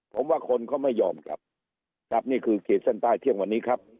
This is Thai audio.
ผมว่าคนเขาไม่ยอมครับครับนี่คือขีดเส้นใต้เที่ยงวันนี้ครับ